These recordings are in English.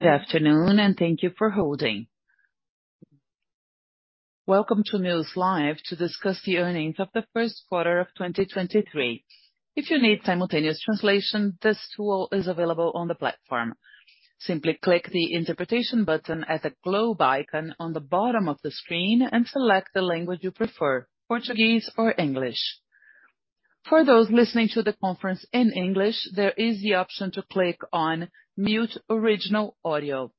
Good afternoon, thank you for holding. Welcome to Mills Live to discuss the earnings of the first quarter of 2023. If you need simultaneous translation, this tool is available on the platform. Simply click the interpretation button at the globe icon on the bottom of the screen and select the language you prefer, Portuguese or English. For those listening to the conference in English, there is the option to click on 'Mute Original Audio'.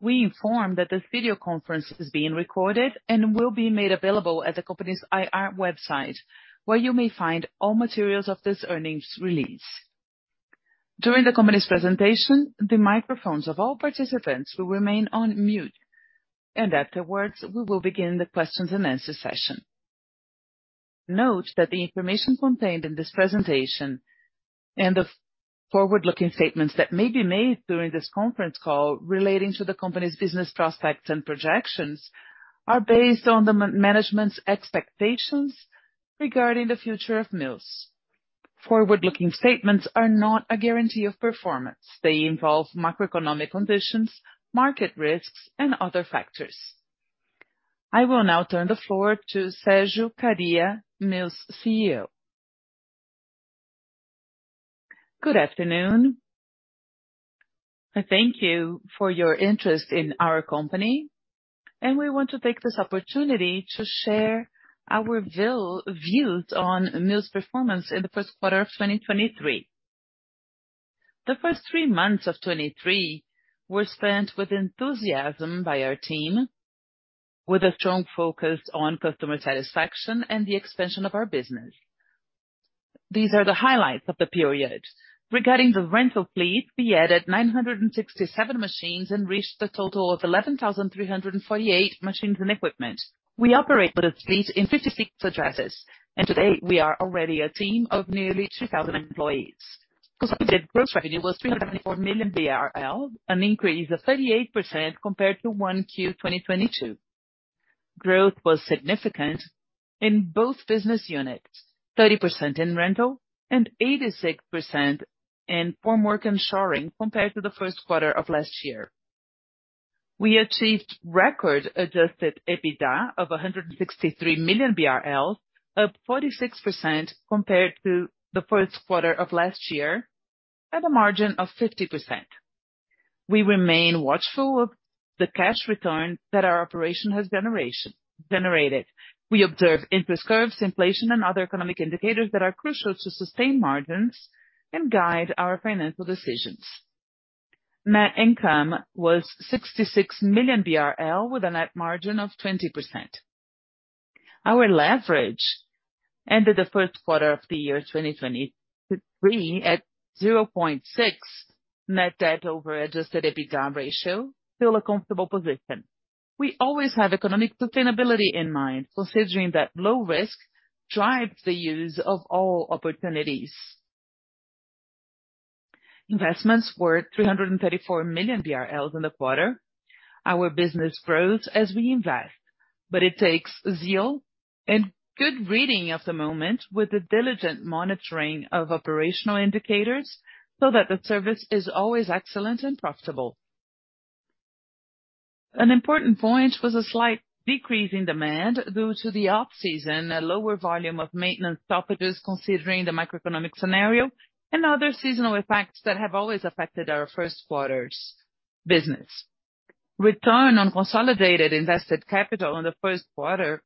We inform that this video conference is being recorded and will be made available at the company's IR website, where you may find all materials of this earnings release. During the company's presentation, the microphones of all participants will remain on mute. Afterwards, we will begin the questions and answer session. Note that the information contained in this presentation and the forward-looking statements that may be made during this conference call relating to the company's business prospects and projections are based on the management's expectations regarding the future of Mills. Forward-looking statements are not a guarantee of performance. They involve macroeconomic conditions, market risks and other factors. I will now turn the floor to Sérgio Kariya, Mills CEO. Good afternoon. I thank you for your interest in our company, and we want to take this opportunity to share our views on Mills' performance in the first quarter of 2023. The first three months of 2023 were spent with enthusiasm by our team, with a strong focus on customer satisfaction and the expansion of our business. These are the highlights of the period. Regarding the rental fleet, we added 967 machines and reached a total of 11,348 machines and equipment. We operate with a fleet in 56 addresses, and today we are already a team of nearly 2,000 employees. Consolidated gross revenue was 304 million BRL, an increase of 38% compared to Q1 2022. Growth was significant in both business units, 30% in rental and 86% in formwork and shoring compared to the first quarter of last year. We achieved record adjusted EBITDA of 163 million BRL, up 46% compared to the first quarter of last year, at a margin of 50%. We remain watchful of the cash return that our operation has generated. We observe interest curves, inflation and other economic indicators that are crucial to sustain margins and guide our financial decisions. Net income was 66 million BRL with a net margin of 20%. Our leverage ended the first quarter of the year 2023 at 0.6 net debt over adjusted EBITDA ratio, still a comfortable position. We always have economic sustainability in mind, considering that low risk drives the use of all opportunities. Investments were 334 million BRL in the quarter. Our business grows as we invest, but it takes zeal and good reading of the moment with the diligent monitoring of operational indicators so that the service is always excellent and profitable. An important point was a slight decrease in demand due to the off-season, a lower volume of maintenance stoppages considering the macroeconomic scenario and other seasonal effects that have always affected our first quarter's business. Return on consolidated invested capital in the first quarter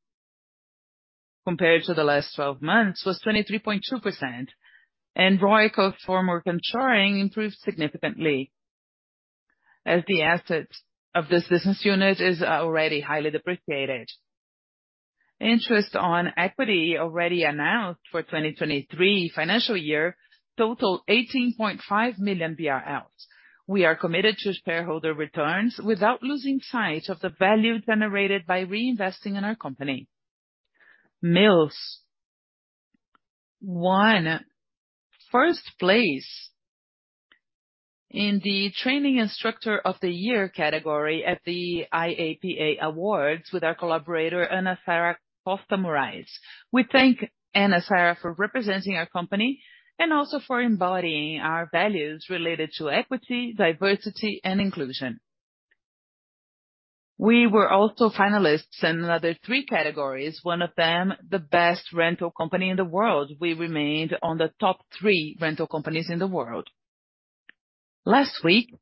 compared to the last 12 months was 23.2%. ROIC of formwork and shoring improved significantly as the assets of this business unit is already highly depreciated. Interest on equity already announced for 2023 financial year total 18.5 million BRL. We are committed to shareholder returns without losing sight of the value generated by reinvesting in our company. Mills won first place in the Training Instructor of the Year category at the IAPA Awards with our collaborator, Anna Sarah Costa Morais. We thank Anna Sarah for representing our company and also for embodying our values related to equity, diversity, and inclusion. We were also finalists in another three categories, one of them the best rental company in the world. We remained on the top three rental companies in the world. Last week,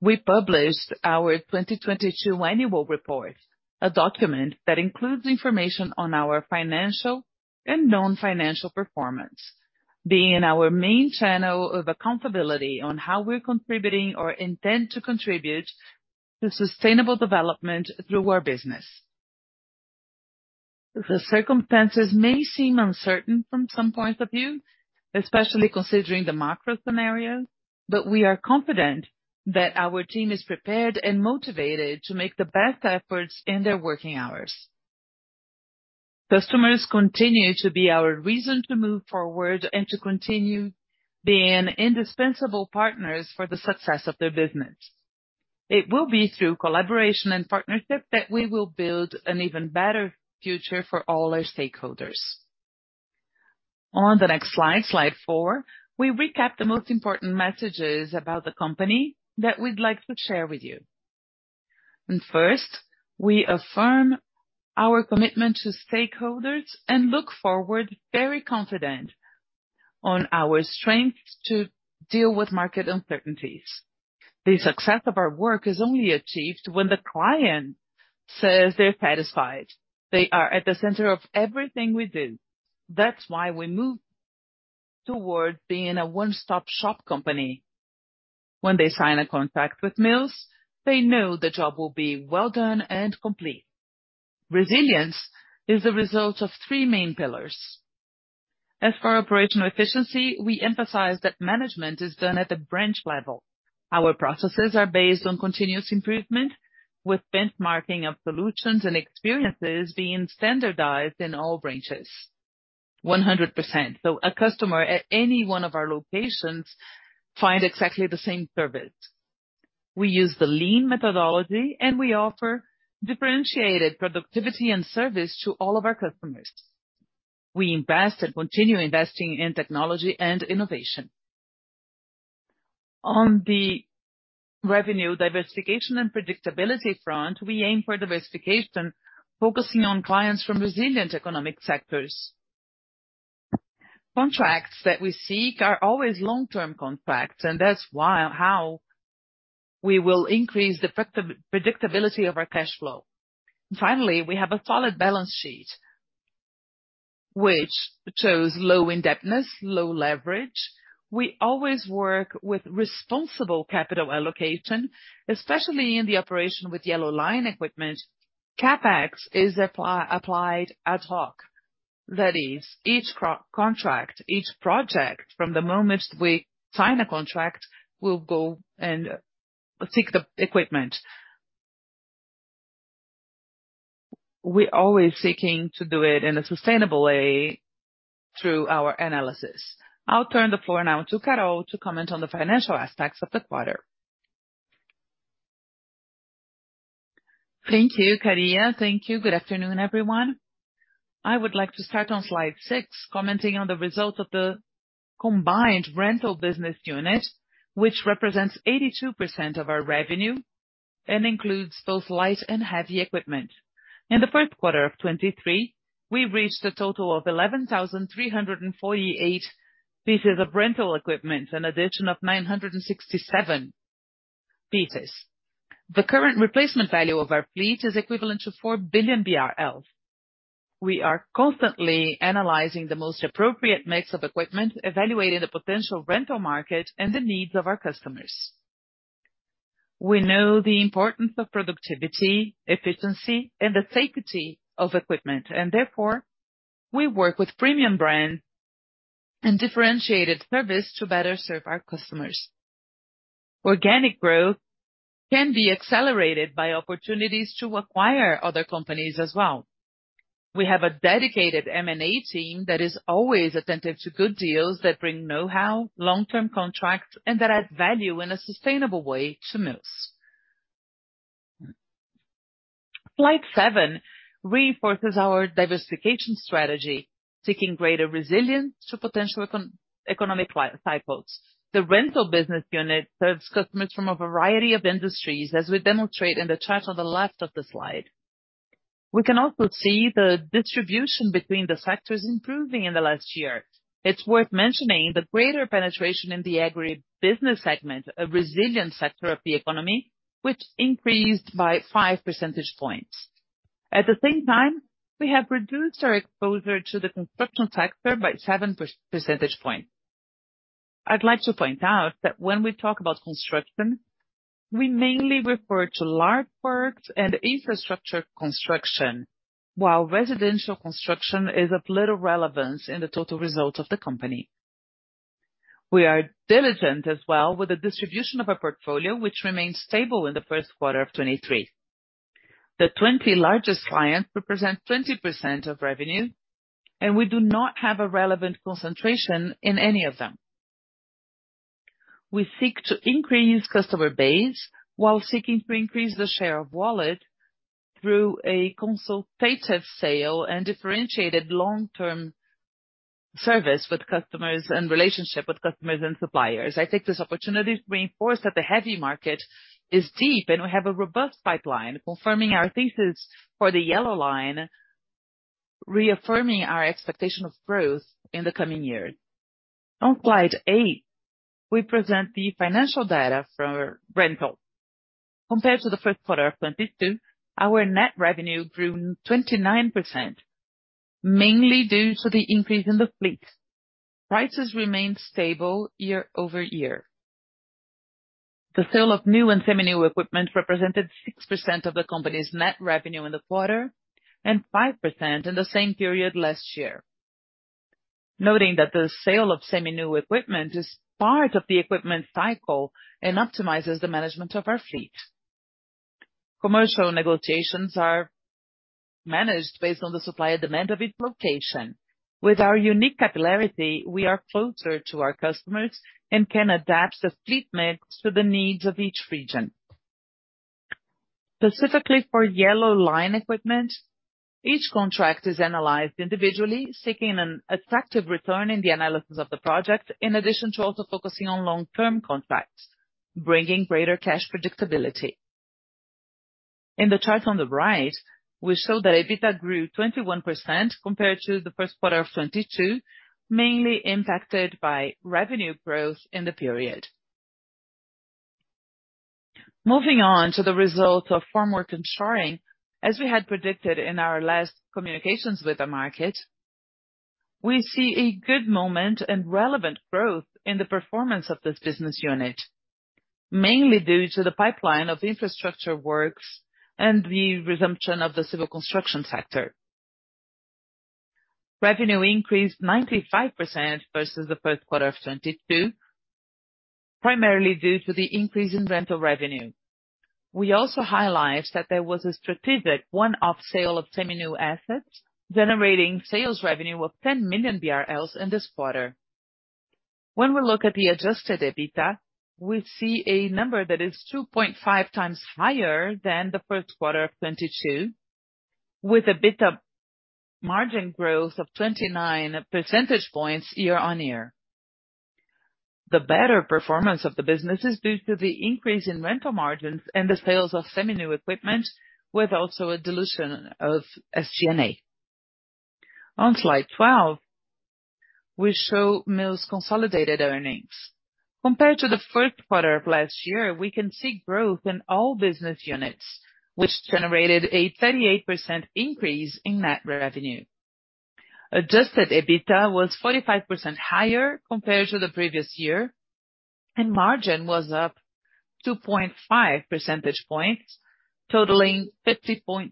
we published our 2022 annual report, a document that includes information on our financial and non-financial performance, being our main channel of accountability on how we're contributing or intend to contribute to sustainable development through our business. The circumstances may seem uncertain from some points of view, especially considering the macro scenario. We are confident that our team is prepared and motivated to make the best efforts in their working hours. Customers continue to be our reason to move forward and to continue being indispensable partners for the success of their business. It will be through collaboration and partnership that we will build an even better future for all our stakeholders. On the next slide 4, we recap the most important messages about the company that we'd like to share with you. First, we affirm our commitment to stakeholders and look forward very confident on our strength to deal with market uncertainties. The success of our work is only achieved when the client says they're satisfied. They are at the center of everything we do. That's why we move toward being a one-stop-shop company. When they sign a contract with Mills, they know the job will be well done and complete. Resilience is the result of three main pillars. As for operational efficiency, we emphasize that management is done at the branch level. Our processes are based on continuous improvement, with benchmarking of solutions and experiences being standardized in all branches 100%. A customer at any one of our locations find exactly the same service. We use the lean methodology, and we offer differentiated productivity and service to all of our customers. We invest and continue investing in technology and innovation. On the revenue diversification and predictability front, we aim for diversification, focusing on clients from resilient economic sectors. Contracts that we seek are always long-term contracts, and how we will increase the effect of predictability of our cash flow. Finally, we have a solid balance sheet which shows low indebtedness, low leverage. We always work with responsible capital allocation, especially in the operation with yellow line equipment. CapEx is applied ad hoc. That is, each contract, each project from the moment we sign a contract, we'll go and take the equipment. We always seeking to do it in a sustainable way through our analysis. I'll turn the floor now to Carol to comment on the financial aspects of the quarter. Thank you, Kariya. Thank you. Good afternoon, everyone. I would like to start on slide six, commenting on the results of the combined rental business unit, which represents 82% of our revenue and includes those light and heavy equipment. In the first quarter of 2023, we reached a total of 11,348 pieces of rental equipment, an addition of 967 pieces. The current replacement value of our fleet is equivalent to 4 billion BRL. We are constantly analyzing the most appropriate mix of equipment, evaluating the potential rental market and the needs of our customers. We know the importance of productivity, efficiency and the safety of equipment, and therefore, we work with premium brand and differentiated service to better serve our customers. Organic growth can be accelerated by opportunities to acquire other companies as well. We have a dedicated M&A team that is always attentive to good deals that bring know-how, long-term contracts, and that add value in a sustainable way to Mills. Slide seven reinforces our diversification strategy, seeking greater resilience to potential economic cycles. The rental business unit serves customers from a variety of industries, as we demonstrate in the chart on the left of the slide. We can also see the distribution between the sectors improving in the last year. It's worth mentioning the greater penetration in the agribusiness segment, a resilient sector of the economy, which increased by 5 percentage points. At the same time, we have reduced our exposure to the construction sector by 7 percentage point. I'd like to point out that when we talk about construction, we mainly refer to large works and infrastructure construction, while residential construction is of little relevance in the total result of the company. We are diligent as well with the distribution of our portfolio, which remains stable in the first quarter of 2023. The 20 largest clients represent 20% of revenue. We do not have a relevant concentration in any of them. We seek to increase customer base while seeking to increase the share of wallet through a consultative sale and differentiated long-term service with customers and suppliers. I take this opportunity to reinforce that the heavy market is deep, and we have a robust pipeline confirming our thesis for the yellow line, reaffirming our expectation of growth in the coming years. On slide eight, we present the financial data for rental. Compared to the first quarter of 2022, our net revenue grew 29%, mainly due to the increase in the fleet. Prices remained stable year-over-year. The sale of new and semi-new equipment represented 6% of the company's net revenue in the quarter and 5% in the same period last year. Noting that the sale of semi-new equipment is part of the equipment cycle and optimizes the management of our fleet. Commercial negotiations are managed based on the supply and demand of each location. With our unique capillarity, we are closer to our customers and can adapt the fleet mix to the needs of each region. Specifically for yellow line equipment, each contract is analyzed individually, seeking an attractive return in the analysis of the project, in addition to also focusing on long-term contracts, bringing greater cash predictability. In the chart on the right, we show that EBITDA grew 21% compared to the first quarter of 2022, mainly impacted by revenue growth in the period. Moving on to the results of formwork and shoring, as we had predicted in our last communications with the market, we see a good moment and relevant growth in the performance of this business unit, mainly due to the pipeline of infrastructure works and the resumption of the civil construction sector. Revenue increased 95% versus the first quarter of 2022, primarily due to the increase in rental revenue. We also highlight that there was a strategic one-off sale of semi-new assets, generating sales revenue of 10 million BRL in this quarter. We look at the adjusted EBITDA, we see a number that is 2.5x higher than the first quarter of 2022, with a bit up margin growth of 29 percentage points year-on-year. The better performance of the business is due to the increase in rental margins and the sales of semi-new equipment, with also a dilution of SG&A. On slide 12, we show Mills' consolidated earnings. Compared to the first quarter of last year, we can see growth in all business units, which generated a 38% increase in net revenue. Adjusted EBITDA was 45% higher compared to the previous year, margin was up 2.5 percentage points, totaling 50.2%.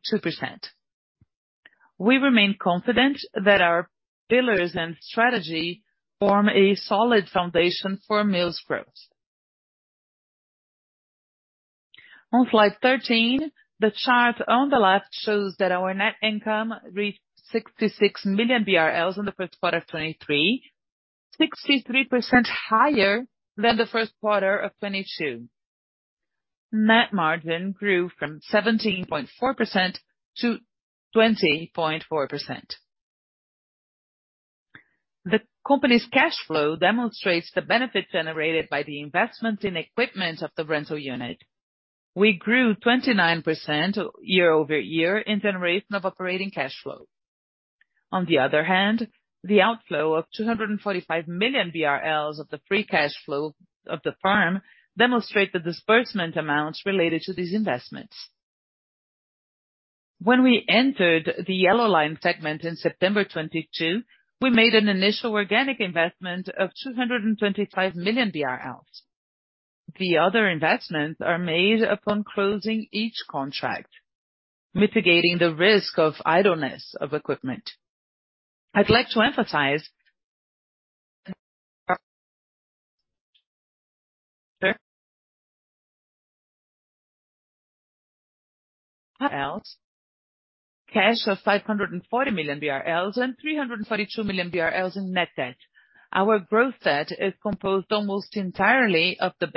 We remain confident that our pillars and strategy form a solid foundation for Mills' growth. On slide 13, the chart on the left shows that our net income reached 66 million BRL in the first quarter of 2023, 63% higher than the first quarter of 2022. Net margin grew from 17.4% to 20.4%. The company's cash flow demonstrates the benefit generated by the investment in equipment of the rental unit. We grew 29% year-over-year in generation of operating cash flow. On the other hand, the outflow of 245 million BRL of the free cash flow of the firm demonstrate the disbursement amounts related to these investments. When we entered the yellow line segment in September 2022, we made an initial organic investment of 225 million BRL. The other investments are made upon closing each contract, mitigating the risk of idleness of equipment. I'd like to emphasize, cash of 540 million BRL and 342 million BRL in net debt. Our growth set is composed almost entirely of the.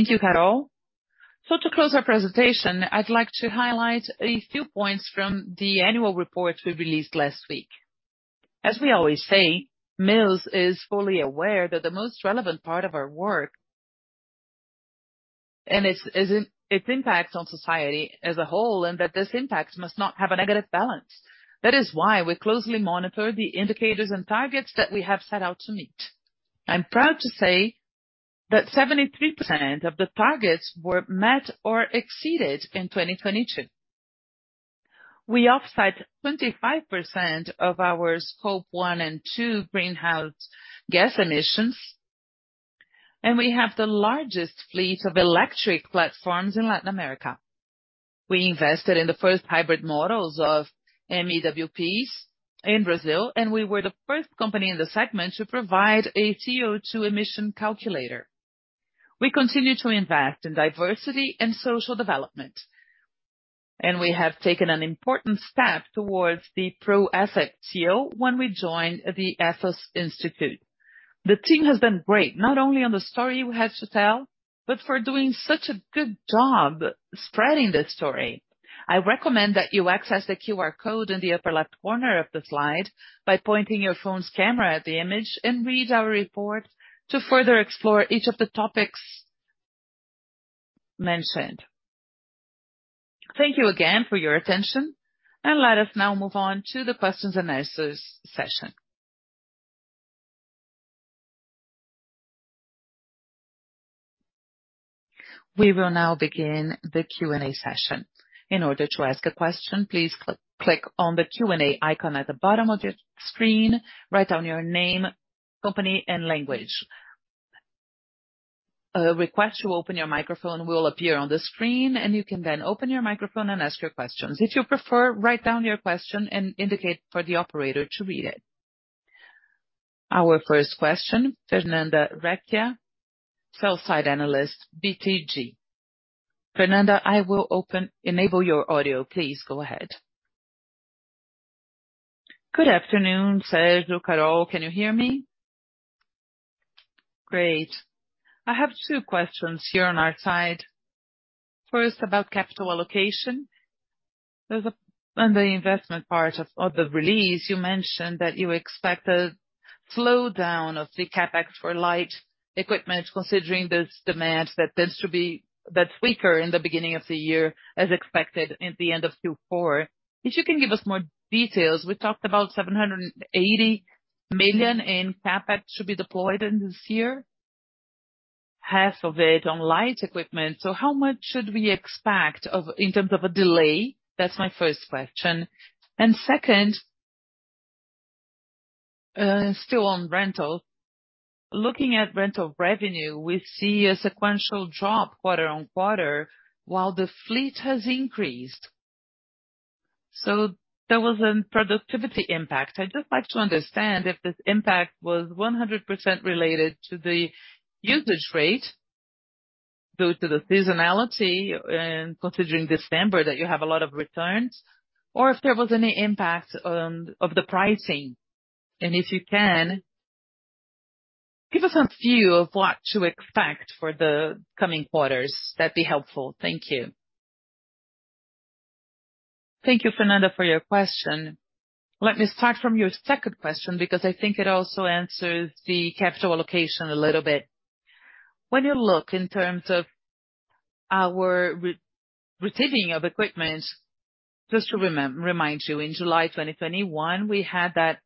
Thank you, Carol. To close our presentation, I'd like to highlight a few points from the annual report we released last week. As we always say, Mills is fully aware that the most relevant part of our work and its impact on society as a whole, and that this impact must not have a negative balance. That is why we closely monitor the indicators and targets that we have set out to meet. I'm proud to say that 73% of the targets were met or exceeded in 2022. We offset 25% of our scope one and two greenhouse gas emissions. We have the largest fleet of electric platforms in Latin America. We invested in the first hybrid models of MEWPs in Brazil. We were the first company in the segment to provide a CO2 Emission Calculator. We continue to invest in diversity and social development. We have taken an important step towards the Pró-Ética when we joined the Instituto Ethos. The team has done great, not only on the story we have to tell. For doing such a good job spreading the story, I recommend that you access the QR code in the upper left corner of the slide by pointing your phone's camera at the image. Read our report to further explore each of the topics mentioned. Thank you again for your attention. Let us now move on to the questions and answers session. We will now begin the Q&A session. In order to ask a question, please click on the Q&A icon at the bottom of your screen. Write down your name, company, and language. A request to open your microphone will appear on the screen. You can then open your microphone and ask your questions. If you prefer, write down your question and indicate for the operator to read it. Our first question, Fernanda Recchia, Sell-side Analyst, BTG. Fernanda, I will enable your audio. Please, go ahead. Good afternoon, Sérgio, Carol. Can you hear me? Great. I have two questions here on our side. First, about capital allocation. There's On the investment part of the release, you mentioned that you expect a slowdown of the CapEx for light equipment considering this demand that's weaker in the beginning of the year as expected at the end of Q4. If you can give us more details, we talked about 780 million in CapEx should be deployed in this year, half of it on light equipment. How much should we expect in terms of a delay? That's my first question. Second, still on rental. Looking at rental revenue, we see a sequential drop quarter on quarter while the fleet has increased. There was a productivity impact. I'd just like to understand if this impact was 100% related to the usage rate due to the seasonality, considering December that you have a lot of returns, or if there was any impact of the pricing. If you can, give us a view of what to expect for the coming quarters. That'd be helpful. Thank you. Thank you, Fernanda, for your question. Let me start from your second question because I think it also answers the capital allocation a little bit. When you look in terms of our re-receiving of equipment, just to remind you, in July 2021, we had that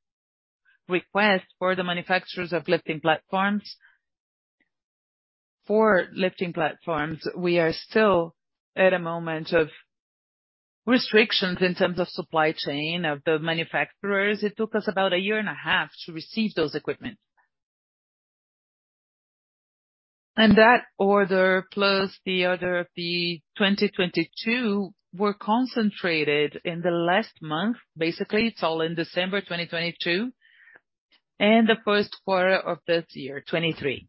request for the manufacturers of lifting platforms. For lifting platforms, we are still at a moment of restrictions in terms of supply chain of the manufacturers. It took us about a year and a half to receive those equipment. That order plus the other, the 2022 were concentrated in the last month. Basically, it's all in December 2022, and the first quarter of this year, 2023.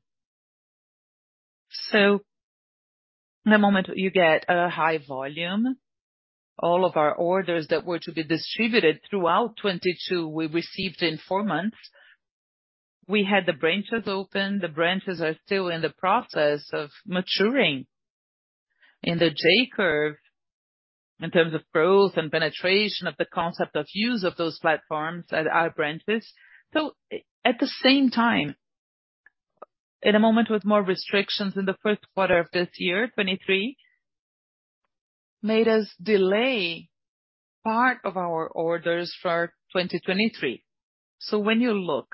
In the moment you get a high volume, all of our orders that were to be distributed throughout 2022, we received in four months. We had the branches open. The branches are still in the process of maturing in the J-curve in terms of growth and penetration of the concept of use of those platforms at our branches. At the same time, at a moment with more restrictions in the first quarter of this year, 2023, made us delay part of our orders for 2023. When you look,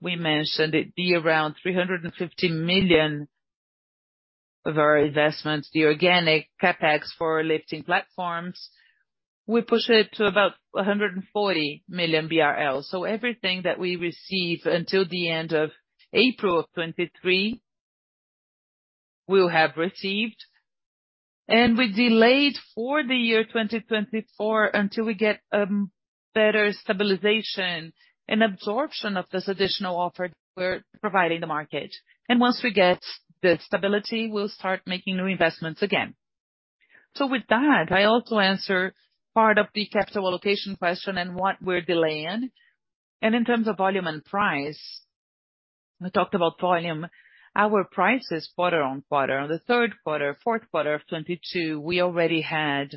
we mentioned it'd be around 350 million of our investments, the organic CapEx for lifting platforms. We push it to about 140 million BRL. Everything that we receive until the end of April of 2023, we'll have received. We delayed for the year 2024 until we get better stabilization and absorption of this additional offer we're providing the market. Once we get the stability, we'll start making new investments again. With that, I also answer part of the capital allocation question and what we're delaying. In terms of volume and price, we talked about volume. Our prices quarter-on-quarter. On the third quarter, fourth quarter of 2022, we already had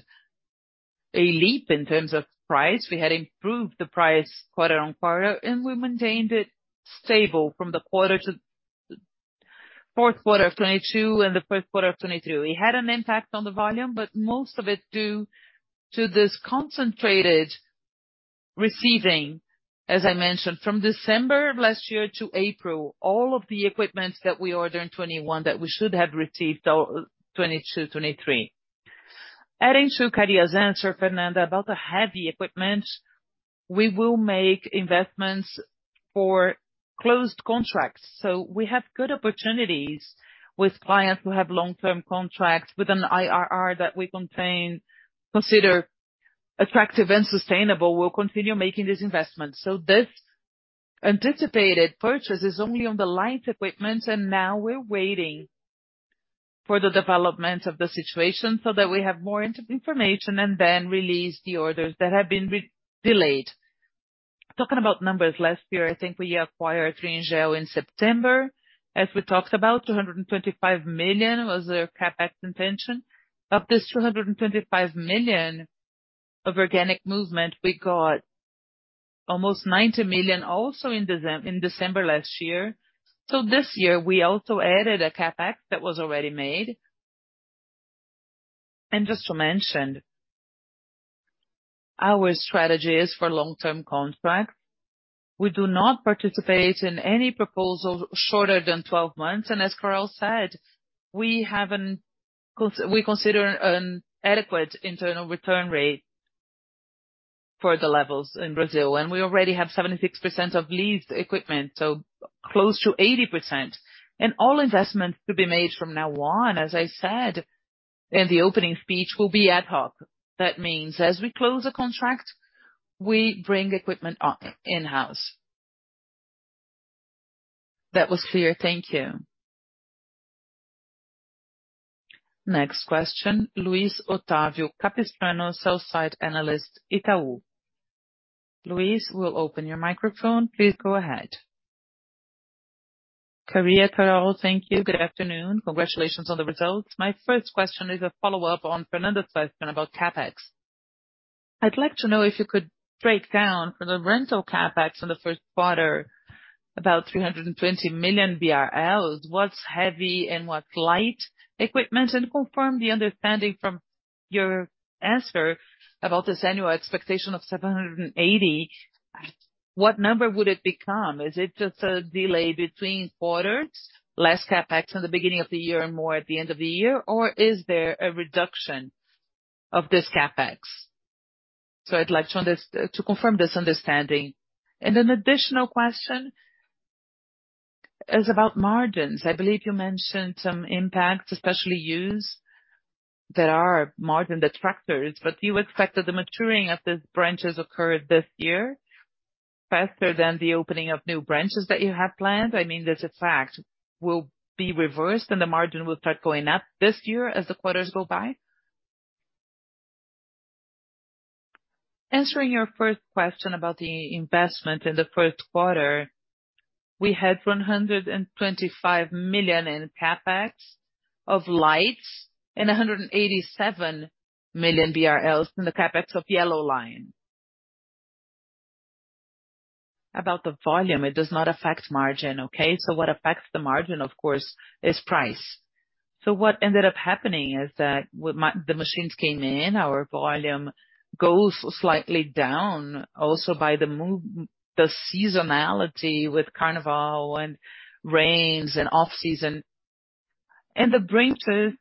a leap in terms of price. We had improved the price quarter-on-quarter, and we maintained it stable from the fourth quarter of 2022 and the first quarter of 2023. We had an impact on the volume, but most of it due to this concentrated receiving, as I mentioned, from December of last year to April. All of the equipment that we ordered in 2021 that we should have received all 2022, 2023. Adding to Kariya's answer, Fernanda, about the heavy equipment, we will make investments for closed contracts. We have good opportunities with clients who have long-term contracts with an IRR that we consider attractive and sustainable. We'll continue making these investments. This anticipated purchase is only on the light equipment, and now we're waiting for the development of the situation so that we have more information and then release the orders that have been re-delayed. Talking about numbers last year, I think we acquired Triengel in September. As we talked about 225 million was the CapEx intention. Of this 225 million of organic movement, we got almost 90 million also in December last year. This year we also added a CapEx that was already made. Just to mention, our strategy is for long-term contracts. We do not participate in any proposal shorter than 12 months. As Carol said, we consider an adequate internal return rate for the levels in Brazil. We already have 76% of leased equipment, so close to 80%. All investments to be made from now on, as I said in the opening speech will be ad hoc. That means as we close a contract, we bring equipment in-house. That was clear. Thank you. Next question, Luiz Otavio Capistrano, Sell-side Analyst Itaú. Luiz, we'll open your microphone. Please go ahead. Kariya, Carol, thank you. Good afternoon. Congratulations on the results. My first question is a follow-up on Fernanda's question about CapEx. I'd like to know if you could break down for the rental CapEx in the first quarter, about 320 million BRL. What's heavy and what light equipment? Confirm the understanding from your answer about this annual expectation of 780 million, what number would it become? Is it just a delay between quarters, less CapEx in the beginning of the year and more at the end of the year? Is there a reduction of this CapEx? I'd like to confirm this understanding. An additional question is about margins. I believe you mentioned some impacts, especially used that are margin detractors. Do you expect that the maturing of these branches occurred this year faster than the opening of new branches that you had planned? I mean, this effect will be reversed and the margin will start going up this year as the quarters go by. Answering your first question about the investment in the first quarter. We had 125 million in CapEx of lights and 187 million BRL in the CapEx of yellow line. About the volume, it does not affect margin, okay? What affects the margin, of course, is price. What ended up happening is that with the machines came in, our volume goes slightly down also by the seasonality with Carnival and rains and off-season. The branches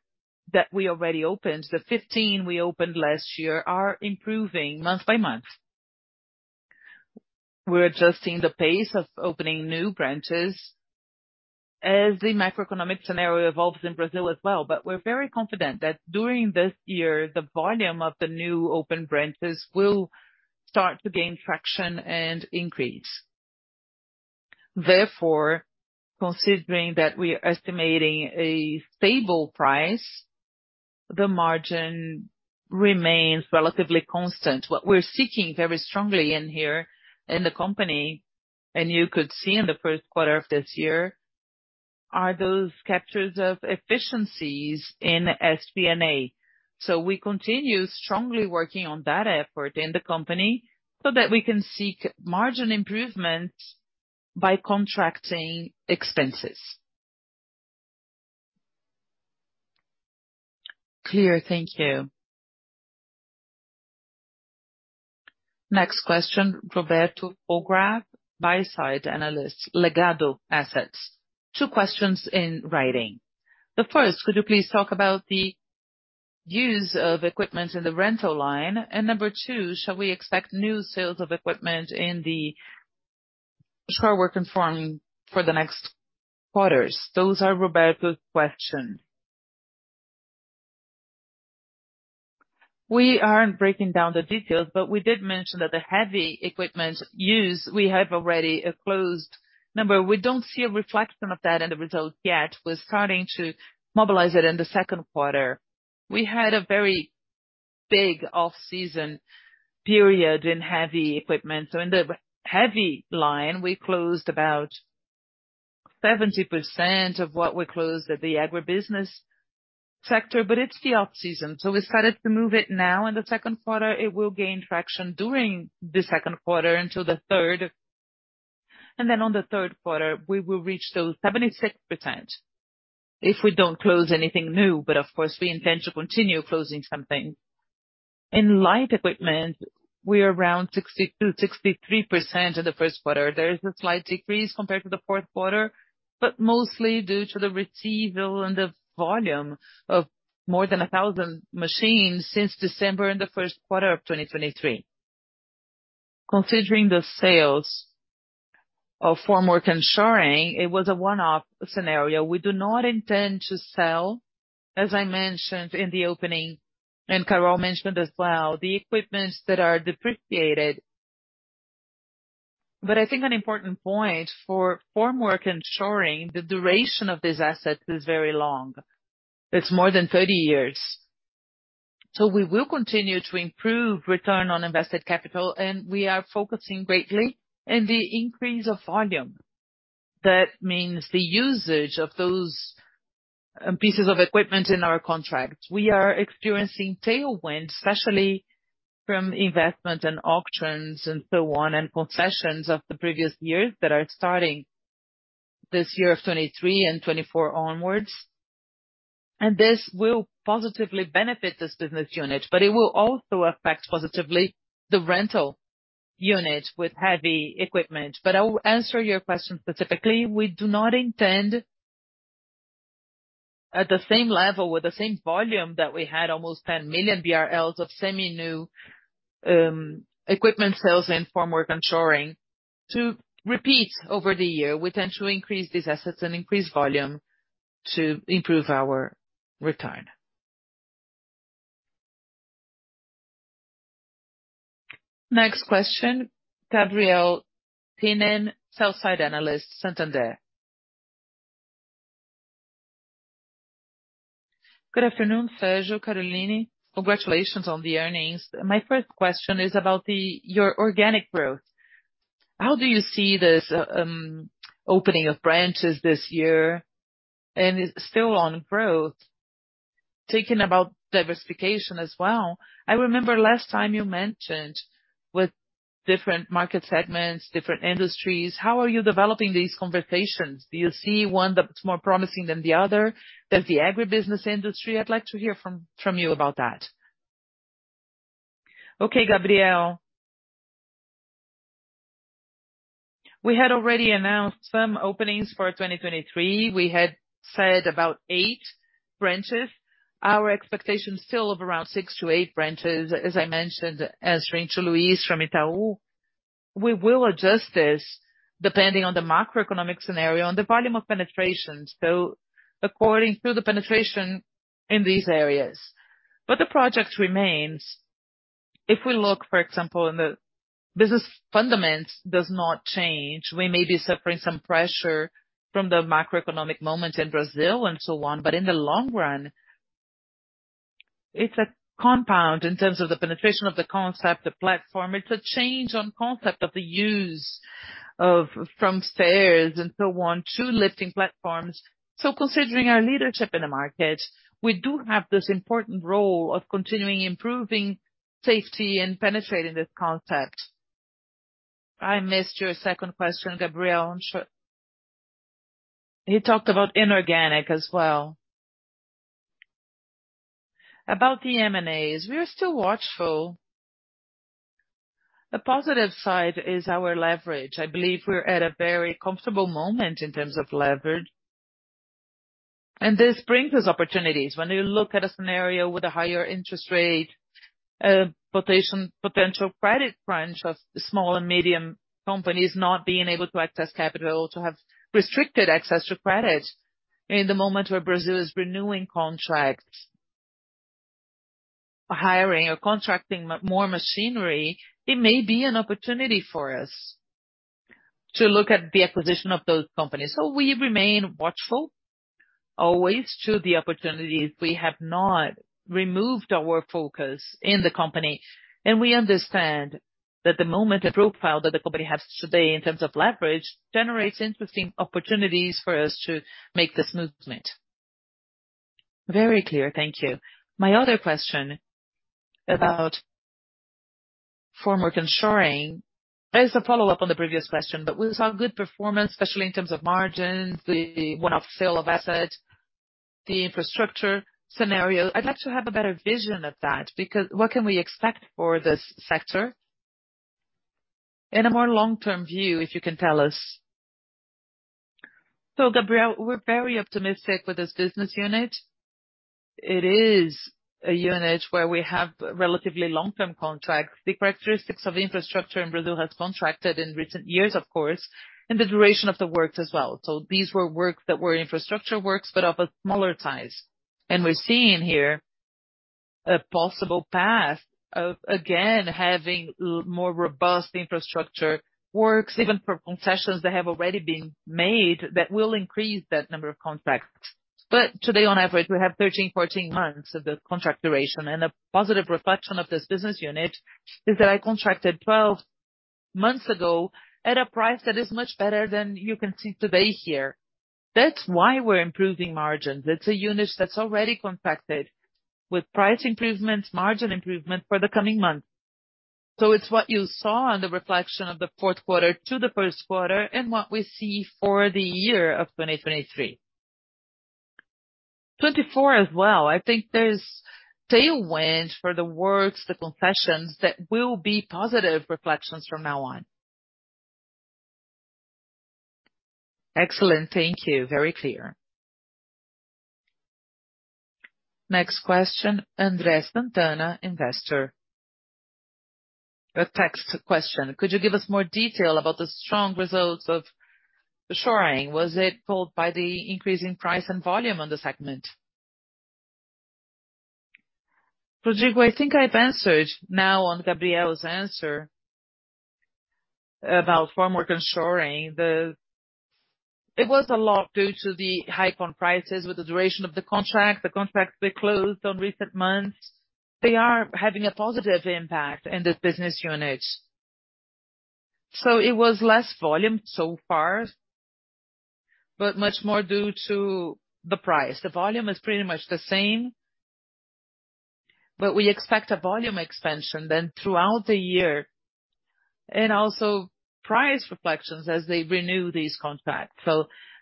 that we already opened, the 15 we opened last year are improving month by month. We're adjusting the pace of opening new branches as the macroeconomic scenario evolves in Brazil as well. We're very confident that during this year, the volume of the new open branches will start to gain traction and increase. Therefore, considering that we are estimating a stable price, the margin remains relatively constant. What we're seeking very strongly in here in the company, and you could see in the first quarter of this year, are those captures of efficiencies in SG&A. We continue strongly working on that effort in the company so that we can seek margin improvement by contracting expenses. Clear. Thank you. Next question, Roberto Füllgraf, buy-side analyst, Legado Assets. Two questions in writing. The first, could you please talk about the use of equipment in the rental line? Number two, shall we expect new sales of equipment in the formwork and shoring for the next quarters? Those are Roberto's questions. We aren't breaking down the details, but we did mention that the heavy equipment used, we have already a closed number. We don't see a reflection of that in the results yet. We're starting to mobilize it in the second quarter. We had a very big off-season period in heavy equipment. In the heavy line, we closed about 70% of what we closed at the agribusiness sector, but it's the off-season, so we started to move it now in the second quarter. It will gain traction during the second quarter until the third. On the third quarter, we will reach those 76% if we don't close anything new. Of course, we intend to continue closing something. In light equipment, we're around 62%, 63% in the first quarter. There is a slight decrease compared to the fourth quarter, mostly due to the retrieval and the volume of more than 1,000 machines since December in the first quarter of 2023. Considering the sales of formwork and shoring, it was a one-off scenario. We do not intend to sell, as I mentioned in the opening and Carol mentioned as well, the equipment that are depreciated. I think an important point for formwork and shoring, the duration of this asset is very long. It's more than 30 years. We will continue to improve return on invested capital, we are focusing greatly in the increase of volume. That means the usage of those pieces of equipment in our contract. We are experiencing tailwind, especially from investment and auctions and so on, and concessions of the previous years that are starting this year of 2023 and 2024 onwards. This will positively benefit this business unit, but it will also affect positively the rental unit with heavy equipment. I will answer your question specifically. We do not intend. At the same level, with the same volume that we had, almost 10 million BRL of semi-new equipment sales in formwork and shoring to repeat over the year. We tend to increase these assets and increase volume to improve our return. Next question, Gabriel Tinem, sell-side analyst, Santander. Good afternoon, Sérgio, Caroline. Congratulations on the earnings. My first question is about your organic growth. How do you see this opening of branches this year? Still on growth, thinking about diversification as well, I remember last time you mentioned with different market segments, different industries, how are you developing these conversations? Do you see one that's more promising than the other? There's the agribusiness industry. I'd like to hear from you about that. Okay, Gabriel. We had already announced some openings for 2023. We had said about 8 branches. Our expectations still of around six to eight branches. As I mentioned, answering to Luiz from Itaú BBA, we will adjust this depending on the macroeconomic scenario and the volume of penetration. According to the penetration in these areas. The project remains. If we look, for example, in the business fundamentals does not change. We may be suffering some pressure from the macroeconomic moment in Brazil and so on. In the long run, it's a compound in terms of the penetration of the concept, the platform. It's a change on concept of the use from stairs and so on to lifting platforms. Considering our leadership in the market, we do have this important role of continuing improving safety and penetrating this concept. I missed your second question, Gabriel. You talked about inorganic as well. About the M&As, we are still watchful. The positive side is our leverage. I believe we're at a very comfortable moment in terms of leverage. This brings us opportunities. When you look at a scenario with a higher interest rate, potential credit crunch of small and medium companies not being able to access capital to have restricted access to credit in the moment where Brazil is renewing contracts, hiring or contracting more machinery, it may be an opportunity for us to look at the acquisition of those companies. We remain watchful always to the opportunities. We have not removed our focus in the company, and we understand that the moment the profile that the company has today in terms of leverage generates interesting opportunities for us to make this movement. Very clear. Thank you. My other question about formwork and shoring is a follow-up on the previous question. We saw good performance, especially in terms of margins, the one-off sale of assets, the infrastructure scenario. I'd like to have a better vision of that because what can we expect for this sector in a more long-term view, if you can tell us. Gabriel, we're very optimistic with this business unit. It is a unit where we have relatively long-term contracts. The characteristics of infrastructure in Brazil has contracted in recent years, of course, and the duration of the works as well. These were works that were infrastructure works but of a smaller size. We're seeing here a possible path of, again, having more robust infrastructure works, even for concessions that have already been made that will increase that number of contracts. Today, on average, we have 13, 14 months of the contract duration. A positive reflection of this business unit is that I contracted 12 months ago at a price that is much better than you can see today here. That's why we're improving margins. It's a unit that's already contracted with price improvements, margin improvement for the coming months. It's what you saw on the reflection of the fourth quarter to the first quarter and what we see for the year of 2023. 2024 as well. I think there's tailwind for the works, the concessions that will be positive reflections from now on. Excellent. Thank you. Very clear. Next question, Andreas Santana, investor. A text question. Could you give us more detail about the strong results of the shoring? Was it pulled by the increase in price and volume on the segment? Andreas, I think I've answered now on Gabriel's answer about formwork and shoring. It was a lot due to the hike on prices with the duration of the contract. The contracts we closed on recent months, they are having a positive impact in this business unit. It was less volume so far, but much more due to the price. The volume is pretty much the same. We expect a volume expansion then throughout the year, and also price reflections as they renew these contracts.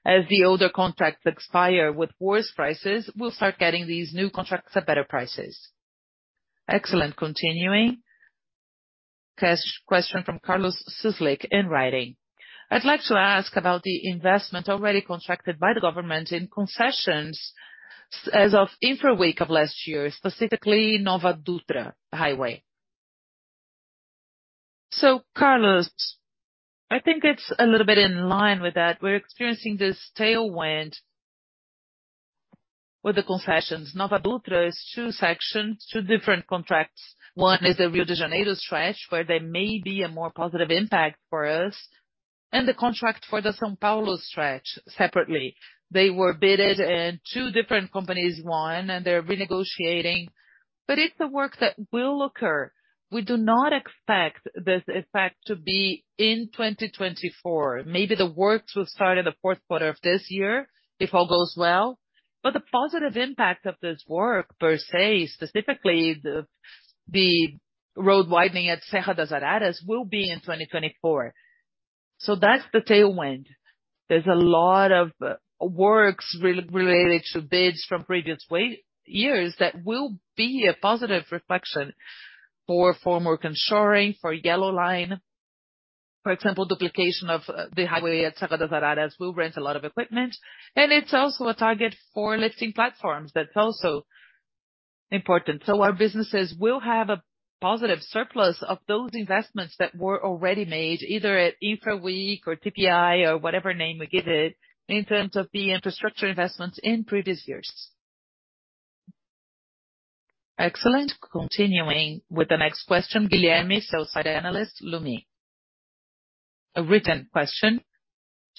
As the older contracts expire with worse prices, we'll start getting these new contracts at better prices. Excellent. Continuing. Question from Carlos Suslik in writing: I'd like to ask about the investment already contracted by the government in concessions as of Infra Week of last year, specifically Nova Dutra Highway. Carlos, I think it's a little bit in line with that. We're experiencing this tailwind with the concessions. Nova Dutra is two sections, two different contracts. One is the Rio de Janeiro stretch, where there may be a more positive impact for us, and the contract for the São Paulo stretch separately. They were bidded and two different companies won, and they're renegotiating. It's a work that will occur. We do not expect this impact to be in 2024. Maybe the works will start in the fourth quarter of this year if all goes well. The positive impact of this work per se, specifically the road widening at Serra das Araras will be in 2024. That's the tailwind. There's a lot of works related to bids from previous years that will be a positive reflection for formwork and shoring, for Yellow Line. For example, duplication of the highway at Serra das Araras will rent a lot of equipment. It's also a target for lifting platforms. That's also important. Our businesses will have a positive surplus of those investments that were already made, either at Infra Week or PPI or whatever name we give it, in terms of the infrastructure investments in previous years. Excellent. Continuing with the next question, Guilherme, sell side analyst, Lumi. A written question.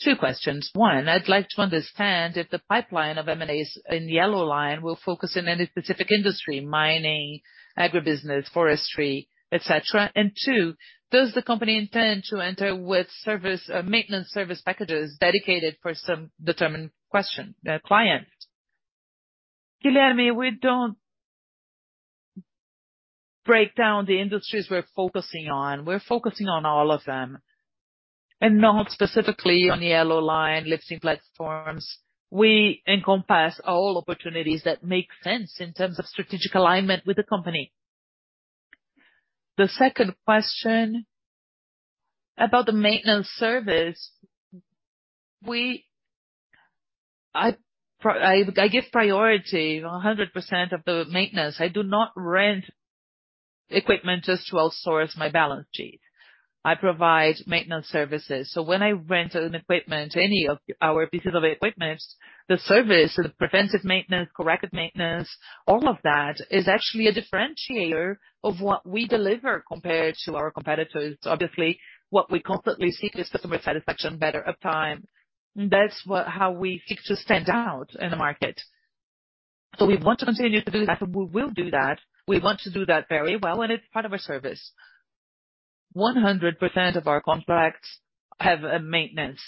Two questions. One, I'd like to understand if the pipeline of M&As in Yellow Line will focus in any specific industry: mining, agribusiness, forestry, et cetera. Two,. Does the company intend to enter with service, maintenance service packages dedicated for some determined question, client? Guilherme, we don't break down the industries we're focusing on. We're focusing on all of them, and not specifically on Yellow Line lifting platforms. We encompass all opportunities that make sense in terms of strategic alignment with the company. The second question about the maintenance service, I give priority 100% of the maintenance. I do not rent equipment just to outsource my balance sheet. I provide maintenance services. When I rent an equipment, any of our pieces of equipment, the service, the preventive maintenance, corrective maintenance, all of that is actually a differentiator of what we deliver compared to our competitors. Obviously, what we constantly seek is customer satisfaction, better uptime. That's how we seek to stand out in the market. We want to continue to do that, and we will do that. We want to do that very well, and it's part of our service. 100% of our contracts have a maintenance.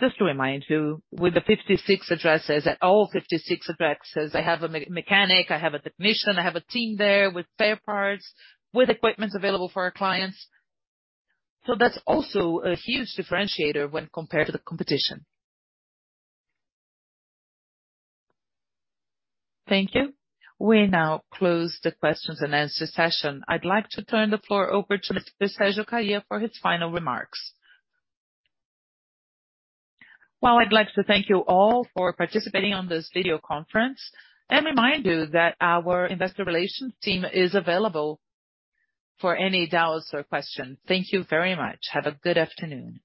Just to remind you, with the 56 addresses, at all 56 addresses, I have a mechanic, I have a technician, I have a team there with spare parts, with equipments available for our clients. That's also a huge differentiator when compared to the competition. Thank you. We now close the questions and answer session. I'd like to turn the floor over to Mr. Sérgio Kariya for his final remarks. I'd like to thank you all for participating on this video conference, and remind you that our investor relations team is available for any doubts or questions. Thank you very much. Have a good afternoon.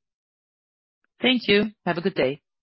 Thank you. Have a good day.